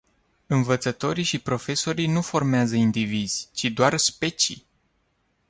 Învățătorii și profesorii nu formează indivizi, ci doar specii.